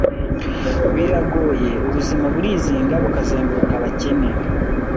b irangoye Ubuzima burizinga bukazenguruka abakene